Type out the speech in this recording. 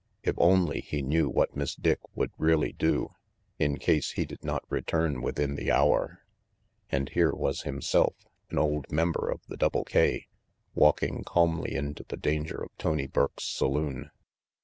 If only he knew what Miss Dick would really do, in case he did not return within the hour! And here was himself, an old member of the Double K, walking calmly into the danger of Tony Burke's saloon.